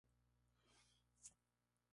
La pregunta se respondió con un rotundo "Sí".